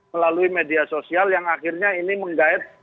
melalui media sosial yang akhirnya ini menggait